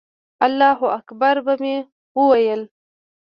الله اکبر به مې وویل.